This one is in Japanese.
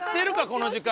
この時間。